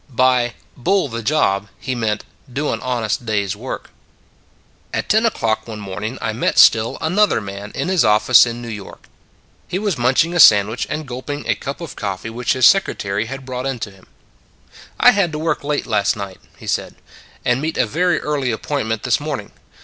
By " bull the job " he meant " do an honest day s work." At ten o clock one morning I met still another man in his office in New York. He was munching a sandwich and gulping a cup of coffee which his secretary had brought in to him. " I had to work late last night," he said, " and meet a very early appointment this morning.